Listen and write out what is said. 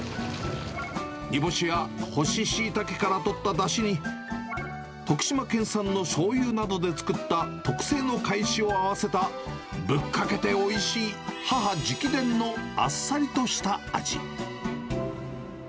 煮干しや干ししいたけから取っただしに、徳島県産のしょうゆなどで作った特製の返しを合わせたぶっかけておいしい、母直伝のあっさりとした味。